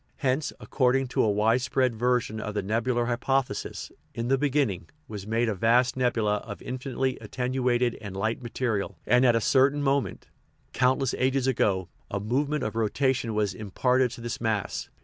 Hence, according to a widespread version of the nebular hypothesis, "in the beginning" was made a vast nebula of infinitely at tenuated and light material, and at a certain moment (" countless ages ago") a movement of rotation was imparted to this mass.